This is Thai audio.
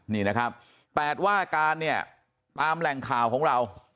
นี่นะครับ๘ว่าการเนี่ยตามแหล่งข่าวของเรา